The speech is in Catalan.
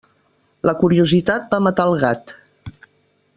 La curiositat va matar el gat.